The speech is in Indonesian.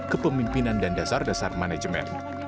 kepemimpinan dan dasar dasar manajemen